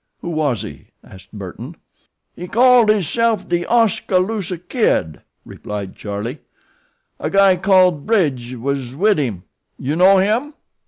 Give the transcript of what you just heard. "Who was he?" asked Burton. "He called hisself de Oskaloosa Kid," replied Charlie. "A guy called Bridge was wid him. You know him?"